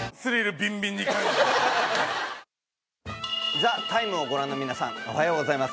「ＴＨＥＴＩＭＥ，」を御覧の皆さんおはようございます。